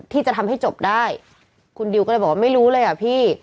ที่จะทำให้จบได้คุณดิวก็เลยบอกว่าไม่รู้เลยอ่ะพี่